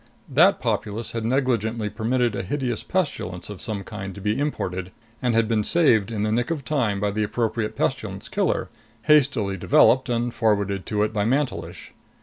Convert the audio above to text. That populace had negligently permitted a hideous pestilence of some kind to be imported, and had been saved in the nick of time by the appropriate pestilence killer, hastily developed and forwarded to it by Mantelish.